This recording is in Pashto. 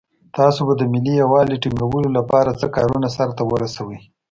تاسو به د ملي یووالي ټینګولو لپاره څه کارونه سرته ورسوئ.